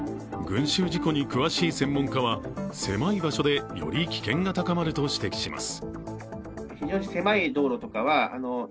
群集事故に詳しい専門家は狭い場所でより危険が高まると指摘します。